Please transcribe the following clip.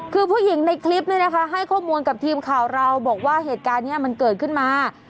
คือผู้หญิงในคลิปนี้นะคะให้ข้อมูลกับทีมข่าวเราบอกว่าเหตุการณ์นี้มันเกิดขึ้นมา